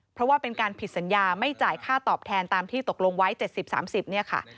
เพราะว่าเป็นการผิดสัญญาไม่จ่ายค่าตอบแทนตามที่ตกลงไว้๗๐๓๐เนี่ยค่ะ